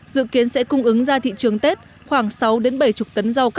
dự kiến sẽ cung ứng ra thị trường tết khoảng sáu bảy mươi tấn rau cá